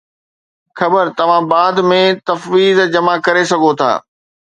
خير، توهان بعد ۾ تفويض جمع ڪري سگهو ٿا